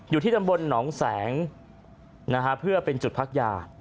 อยู่ที่ตำบลหนองแสงนะฮะเพื่อเป็นจุดพักยา